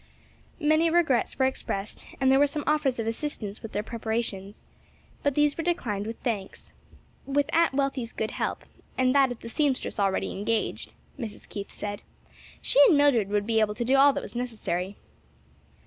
Many regrets were expressed and there were some offers of assistance with their preparations; but these were declined with thanks: "with Aunt Wealthy's good help, and that of the seamstress already engaged," Mrs. Keith said "she and Mildred would be able to do all that was necessary."